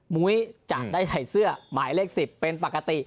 มุ้ยจะได้ใส่เสื้อหมายเลข๑๐เป็นปกติ